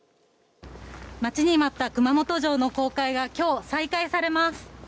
待ちに待った熊本城の公開が、きょう再開されます。